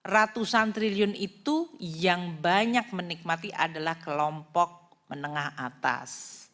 ratusan triliun itu yang banyak menikmati adalah kelompok menengah atas